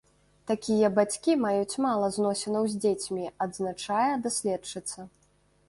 Такія бацькі маюць мала зносінаў з дзецьмі, адзначае даследчыца.